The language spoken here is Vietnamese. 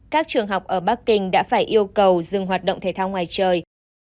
các trường học ở bắc kinh đã phải yêu cầu dừng hoạt động thể thao ngoài trời